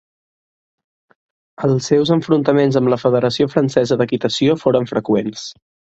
Els seus enfrontaments amb la federació francesa d'equitació foren freqüents.